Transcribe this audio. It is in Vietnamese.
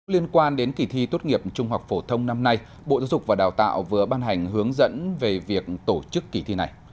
liên quan đến kỳ thi tốt nghiệp trung học phổ thông năm nay bộ giáo dục và đào tạo vừa ban hành hướng dẫn về việc tổ chức kỳ thi này